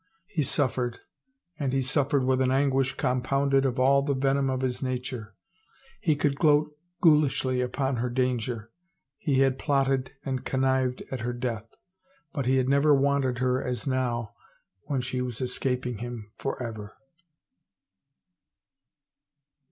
He suffered, and he suffered with an anguish compounded of all the venom of his nature. He could gloat ghoulishly upon her danger, he had plotted and connived at her death, but he had never wanted her as now when she was es caping him forever.